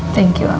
thank you alam